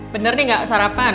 bener nih gak sarapan